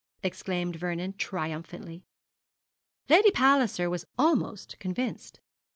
exclaimed Vernon, triumphantly. Lady Palliser was almost convinced.